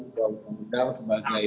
untuk mengundang sebagai